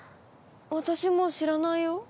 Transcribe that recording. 私もう知らないよ？